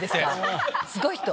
すごい人！